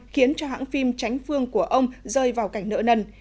khiến cho hãng phim tránh phương của ông rơi vào cảnh nỡ nần